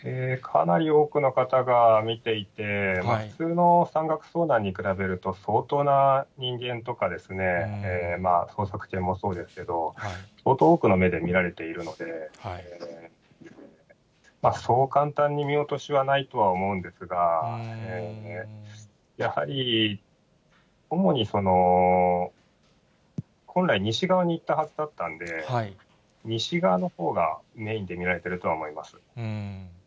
かなり多くの方が見ていて、普通の山岳遭難に比べると、相当な人間とか捜索犬もそうですけど、相当多くの目で見られているので、そう簡単に見落としはないとは思うんですが、やはり、主に、本来、西側に行ったはずだったんで、西側のほうがメインで見られているとは思います。